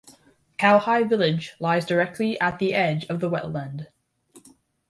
Caohai Village lies directly at the edge of the wetland.